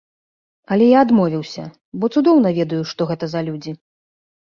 Але я адмовіўся, бо цудоўна ведаю, што гэта за людзі.